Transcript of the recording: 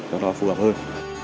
đó là phù hợp hơn